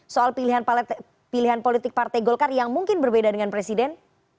soal pilihan politik partai golkar yang mungkin berbeda dengan presiden